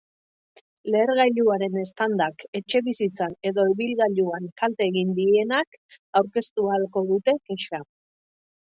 Lehergailuaren eztandak etxebizitzan edo ibilgailuan kalte egin dienak aurkeztu ahalko dute kexa.